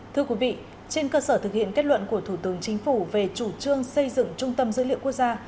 thưa quý vị trên cơ sở thực hiện kết luận của thủ tướng chính phủ về chủ trương xây dựng trung tâm dữ liệu quốc gia